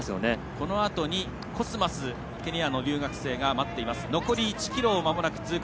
このあとにコスマスケニアの留学生が待っています。